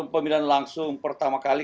pemilihan langsung pertama kali